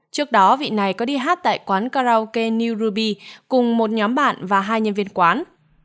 trước đó vị này có đi hát tại quán karaoke new ruby cùng một nhóm bạn và hai nhân viên quán